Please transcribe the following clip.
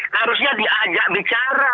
harusnya diajak bicara